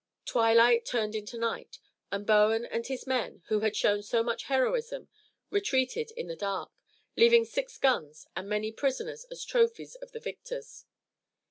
Twilight turned into night and Bowen and his men, who had shown so much heroism, retreated in the dark, leaving six guns and many prisoners as trophies of the victors.